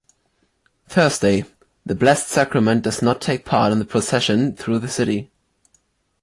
Thursday, the Blessed Sacrament does not take part in the procession through the city.